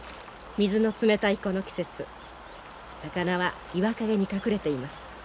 水の冷たいこの季節魚は岩陰に隠れています。